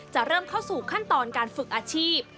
เริ่มเข้าสู่ขั้นตอนการฝึกอาชีพ